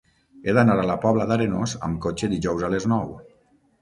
He d'anar a la Pobla d'Arenós amb cotxe dijous a les nou.